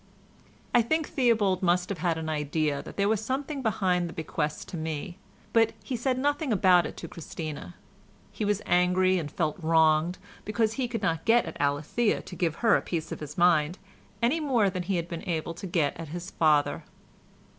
I think Theobald must have had an idea that there was something behind the bequest to me, but he said nothing about it to Christina. He was angry and felt wronged, because he could not get at Alethea to give her a piece of his mind any more than he had been able to get at his father.